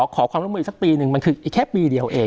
ขอความร่วมมืออีกสักปีหนึ่งมันคืออีกแค่ปีเดียวเอง